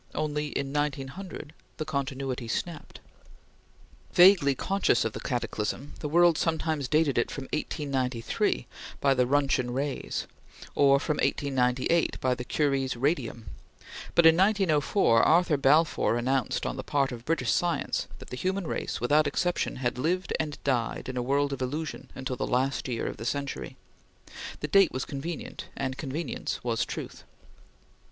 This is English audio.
Only in 1900, the continuity snapped. Vaguely conscious of the cataclysm, the world sometimes dated it from 1893, by the Roentgen rays, or from 1898, by the Curie's radium; but in 1904, Arthur Balfour announced on the part of British science that the human race without exception had lived and died in a world of illusion until the last year of the century. The date was convenient, and convenience was truth.